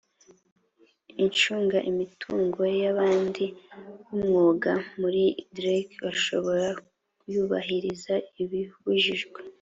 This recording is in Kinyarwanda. ucunga imitungo y abandi w umwuga muri dreit ashobora yubahirije ibibujijwe